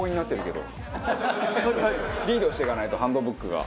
リードしていかないとハンドブックが。